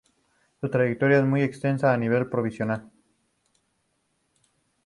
Su trayectoria es muy extensa a nivel provincial.